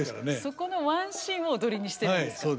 そこのワンシーンを踊りにしてるんですか。